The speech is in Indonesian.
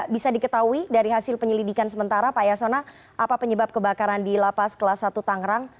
bisa diketahui dari hasil penyelidikan sementara pak yasona apa penyebab kebakaran di lapas kelas satu tangerang